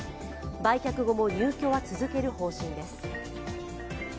売却後も入居は続ける方針です。